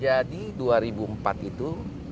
jadi dua ribu empat itu